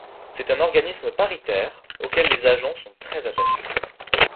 C'est un organisme paritaire, auquel les agents sont très attachés.